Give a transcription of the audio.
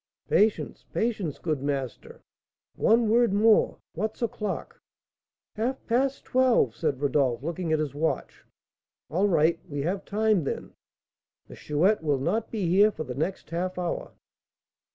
"Patience, patience, good master; one word more. What's o'clock?" "Half past twelve," said Rodolph, looking at his watch. "All right; we have time, then. The Chouette will not be here for the next half hour."